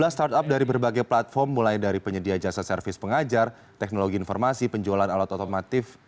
dua belas startup dari berbagai platform mulai dari penyedia jasa servis pengajar teknologi informasi penjualan alat otomotif